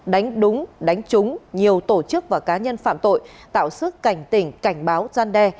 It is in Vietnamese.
đánh đúng đánh trúng nhiều tổ chức và cá nhân phạm tội tạo sức cảnh tỉnh cảnh báo gian đe